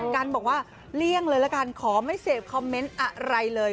กันบอกว่าเลี่ยงเลยละกันขอไม่เสพคอมเมนต์อะไรเลย